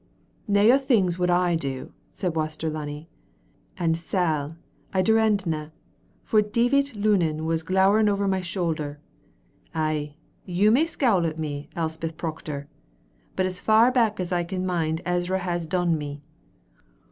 "None o' thae things would I do," said Waster Lunny, "and sal, I dauredna, for Davit Lunan was glowering ower my shuther. Ay, you may scowl at me, Elspeth Proctor, but as far back as I can mind Ezra has done me.